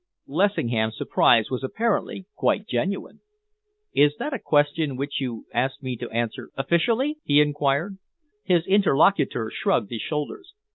Lessingham's surprise was apparently quite genuine. "Is that a question which you ask me to answer officially?" he enquired. His interlocutor shrugged his shoulders.